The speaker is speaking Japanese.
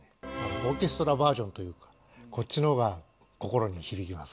オーケストラバージョンっていうか、こっちのほうが心に響きます。